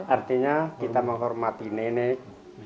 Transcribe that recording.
artinya kita menghormati nenek